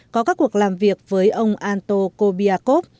có các cuộc làm việc với ông anto kobiakov